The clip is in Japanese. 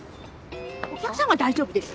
お客様は大丈夫です。